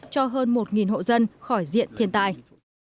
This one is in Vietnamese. cho hơn một hộ dân khỏi diện thiên tài